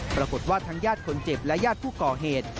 ปรากฏว่าทั้งญาติคนเจ็บและญาติผู้ก่อเหตุ